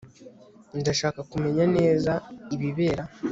Ndashaka kumenya neza ibibera